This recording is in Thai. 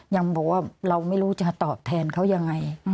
ยังบอกว่าเราไม่รู้จะตอบแทนเขายังไง